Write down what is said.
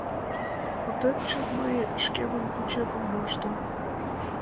Мутет чын, мый шкемым кучен ом мошто.